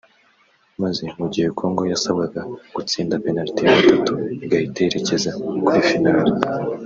maze mu gihe Congo yasabwaga gutsinda Penaliti ya Gatatu igahita yerekeza kuri Final